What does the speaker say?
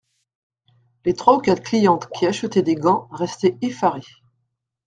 Les trois ou quatre clientes qui achetaient des gants, restaient effarées.